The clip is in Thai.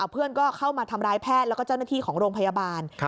เพื่อนก็เข้ามาทำร้ายแพทย์แล้วก็เจ้าหน้าที่ของโรงพยาบาล